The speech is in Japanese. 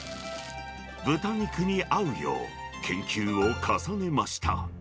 豚肉に合うよう、研究を重ねました。